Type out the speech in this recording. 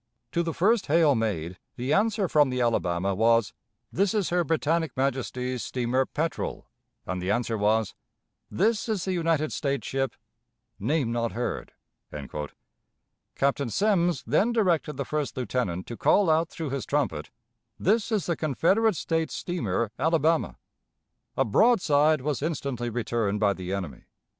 To the first hail made, the answer from the Alabama was, 'This is her Britannic Majesty's steamer Petrel,' and the answer was, 'This is the United States ship, ' name not heard." Captain Semmes then directed the first lieutenant to call out through his trumpet, "This is the Confederate States steamer Alabama." A broadside was instantly returned by the enemy.